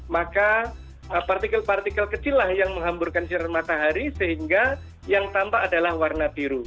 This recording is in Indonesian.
maka partikel partikel kecil lah yang menghamburkan sinar matahari sehingga yang tampak adalah warna biru